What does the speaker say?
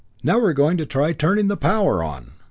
Now we're going to try turning the power on!"